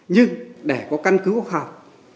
nhưng để có căn cứ khoa học